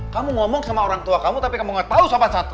kamu ngomong sama orang tua kamu tapi kamu gak tahu siapa satu